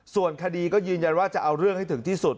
ส่วนคดีก็ยืนยันว่าจะเอาเรื่องให้ถึงที่สุด